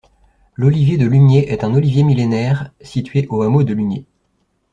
L'olivier de Lugné est un olivier millénaire situé au hameau de Lugné.